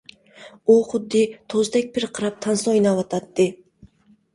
ئۇ خۇددى توزدەك پىرقىراپ تانسا ئويناۋاتاتتى.